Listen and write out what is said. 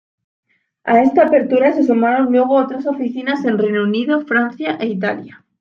A esta apertura se sumaron luego otras oficinas en Reino Unido, Francia e Italia.